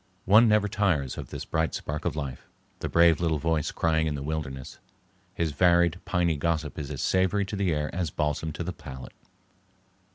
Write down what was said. One never tires of this bright spark of life, the brave little voice crying in the wilderness. His varied, piney gossip is as savory to the air as balsam to the palate.